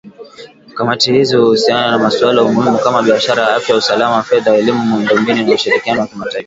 Kamati hizi huhusiana na masuala muhimu kama biashara , afya , usalama , fedha , elimu , miundombinu na ushirikiano wa kimataifa